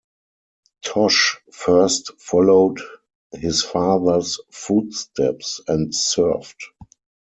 Tosh first followed his father's footsteps and surfed.